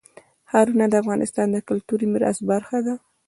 ښارونه د افغانستان د کلتوري میراث برخه ده.